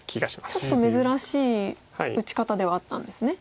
ちょっと珍しい打ち方ではあったんですね。